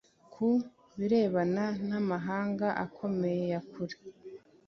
ku birebana n amahanga akomeye ya kure